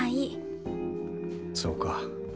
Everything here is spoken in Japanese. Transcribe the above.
そうか。